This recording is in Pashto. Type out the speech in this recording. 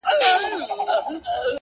له عمره د حيات په دروازه کي سره ناست وو-